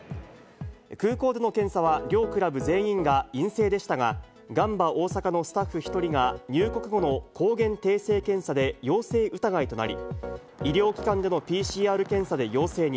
空港での検査は両クラブ全員が陰性でしたが、ガンバ大阪のスタッフ１人が、入国後の抗原定性検査で陽性疑いとなり、医療機関でのＰＣＲ検査で陽性に。